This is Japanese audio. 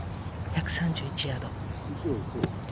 １３１ヤード。